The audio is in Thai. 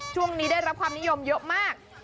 ช่วงนี้ได้รับความนิยมเยอะมาก